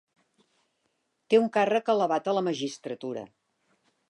Té un càrrec elevat en la magistratura.